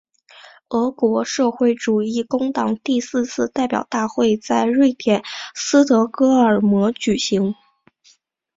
俄国社会民主工党第四次代表大会在瑞典斯德哥尔摩举行。